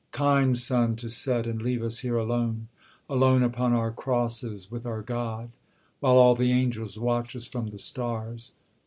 Kind sun, to set, and leave us here alone; Alone upon our crosses with our God; While all the angels watch us from the stars.